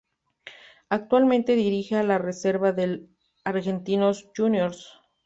Actualmente dirige a la reserva de Argentinos Juniors.